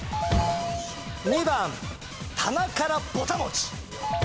２番棚から牡丹餅！